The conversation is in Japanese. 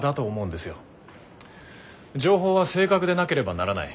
情報は正確でなければならない。